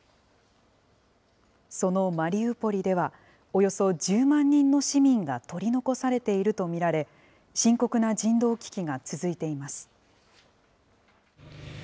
そのマリウポリでは、およそ１０万人の市民が取り残されていると見られ、深刻な人道危